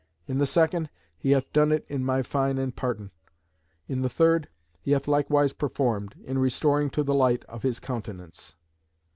In the second, he hath done it in my fine and pardon. In the third, he hath likewise performed, in restoring to the light of his countenance."